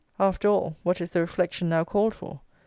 After all, what is the reflection now called for?